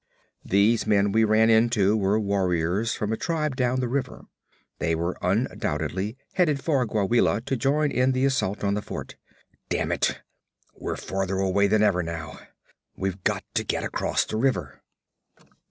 These men we ran into were warriors from a tribe down the river. They were undoubtedly headed for Gwawela to join in the assault on the fort. Damn it, we're farther away than ever, now. We've got to get across the river.'